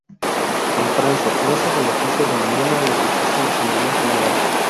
En Francia, no se beneficia de ninguna legislación a nivel general.